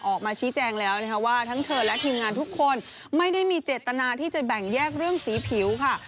ออกมาชี้แจงแล้วนะคะว่าทั้งเธอและทีมงานทุกคนไม่ได้มีเจตนาที่จะแบ่งแยกเรื่องสีผิวค่ะ